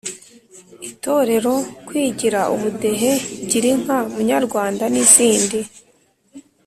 Itorero, kwigira, Ubudehe, Gira inka Munyarwanda n’izindi